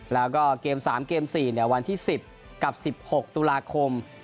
แล้วก็เกม๓เกม๔วันที่๑๐กับ๑๖ตุลาคม